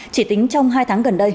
chỉ tính trong hai tháng gần đây